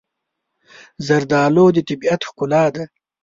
زردالو د طبیعت ښکلا ده.